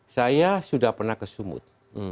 saya sudah pernah ke sumut